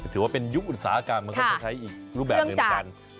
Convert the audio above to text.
ถือว่าเป็นยุคอุตสาหกรรมมันก็จะใช้อีกรูปแบบหนึ่งเหมือนกัน